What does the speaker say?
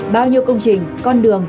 bao nhiêu công trình con đường